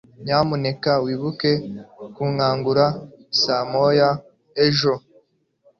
Nyamuneka wibuke kunkangura saa moya ejo.